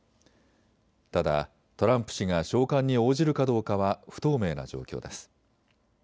ただトランプ氏が召喚に応じるかどうかは不透明な状況です。